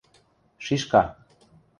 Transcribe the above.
Шишка.